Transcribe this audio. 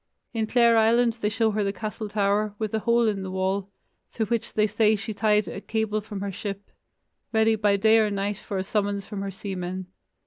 In Clare Island they show her castle tower, with a hole in the wall, through which they say she tied a cable from her ship, ready by day or night for a summons from her seamen.